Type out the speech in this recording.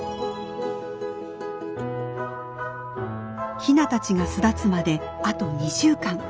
ヒナたちが巣立つまであと２週間。